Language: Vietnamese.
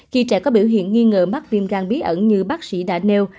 khi trẻ có biểu hiện nghi ngờ mắc viêm gan bí ẩn như bác sĩ đã nêu